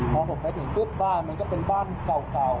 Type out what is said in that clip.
พอผมไปถึงปุ๊บบ้านมันก็เป็นบ้านเก่า